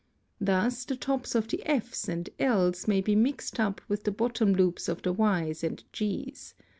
Thus the tops of the /'s and l's may be mixed up with the bottom loops of the y's and g's.